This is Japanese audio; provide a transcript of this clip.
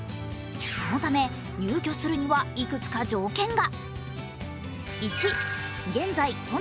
そのため、入居するにはいくつか条件が。